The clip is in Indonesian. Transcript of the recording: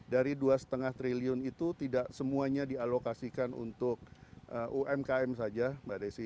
dari dua lima triliun itu tidak semuanya dialokasikan untuk umkm saja mbak desi